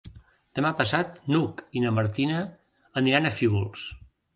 Demà passat n'Hug i na Martina aniran a Fígols.